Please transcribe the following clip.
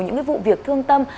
những vụ việc thương tâm